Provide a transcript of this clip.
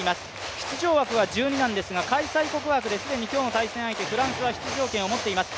出場枠は１２なんですが開催国枠で既に今日の対戦相手、フランスは出場権を持っています。